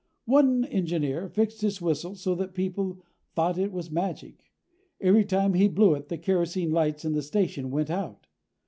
One engineer fixed his whistle so that people thought it was magic. Every time he blew it, the kerosene lights in the station went out!